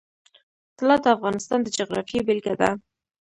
طلا د افغانستان د جغرافیې بېلګه ده.